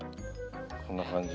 こんな感じ。